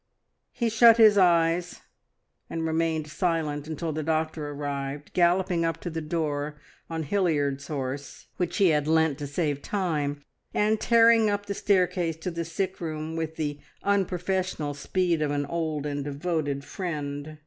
He shut his eyes and remained silent until the doctor arrived, galloping up to the door on Hilliard's horse, which he had lent to save time, and tearing up the staircase to the sick room with the unprofessional speed of an old and devoted friend.